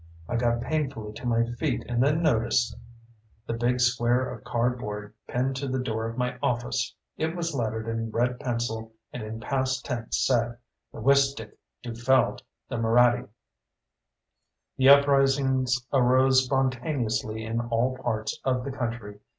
I got painfully to my feet and then noticed the big square of cardboard pinned to the door of my office. It was lettered in red pencil and in past tense said, "The Wistick dufelled the Moraddy." The uprisings arose spontaneously in all parts of the country.